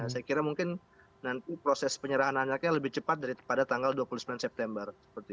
saya kira mungkin nanti proses penyerahan anaknya lebih cepat daripada tanggal dua puluh sembilan september